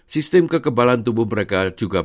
sistem kekebalan tubuh mereka juga